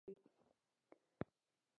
په هماغه کچه د کارګرانو بې وزلي زیاتېږي